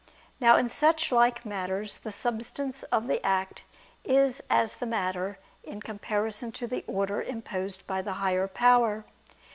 Now in such like matters the substance of the act is as the matter in comparison to the order imposed by the higher power.